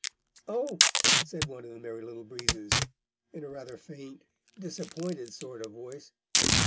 "Oh!" said one of the Merry Little Breezes, in a rather faint, disappointed sort of voice.